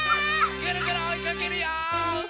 ぐるぐるおいかけるよ！